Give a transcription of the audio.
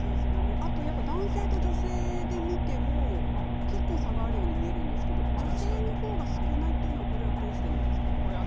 男性と女性で見ても結構差があるように見えるんですけど、女性のほうが少ないというのはどうしてなんですか？